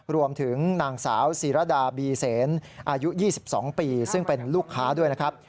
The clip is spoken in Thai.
รวมถึงนางสาวศิรดาบีเสนอายุ๒๒ปีซึ่งเป็นลูกค้าด้วยนะครับ